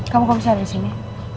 kamu kok bisa ada di sini